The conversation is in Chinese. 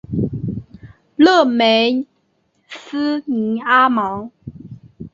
勒梅斯尼阿芒。